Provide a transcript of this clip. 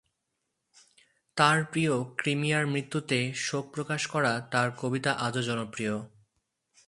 তাঁর প্রিয় ক্রিমিয়ার মৃত্যুতে শোক প্রকাশ করা তাঁর কবিতা আজও জনপ্রিয়।